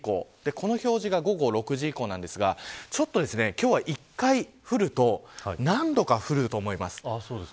この表示が午後６時以降ですが今日は１回降ると何度か降ると思います。